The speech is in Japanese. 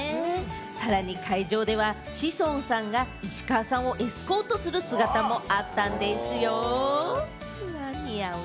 さらに会場では、志尊さんが石川さんをエスコートする姿もあったんでぃすよ。